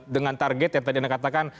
dengan target yang tadi anda katakan